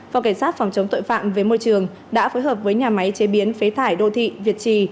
phòng cảnh sát phòng chống tội phạm với môi trường đã phối hợp với nhà máy chế biến phế thải đô thị việt trì